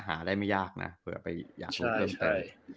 หาได้ไม่ยากนะเผื่อไปอยากรู้เพิ่มเติม